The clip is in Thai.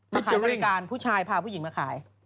มาขายบริการผู้ชายพาผู้หญิงมาขาย